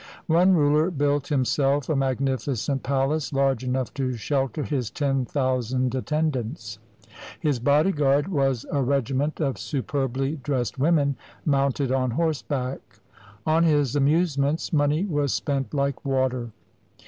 One ruler built himself a magnificent palace, large enough to shelter his ten thousand attendants. His bodyguard was a regiment of superbly dressed women mounted on horseback. On his amusements money was spent like water.